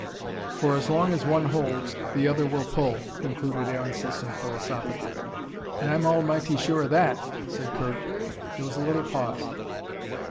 "For as long as one holds, the other will pull," concluded Aaron Sisson philosophically. "An' I'm almighty sure o' that," said Kirk. There was a little pause.